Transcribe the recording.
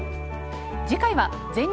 次回は「全力！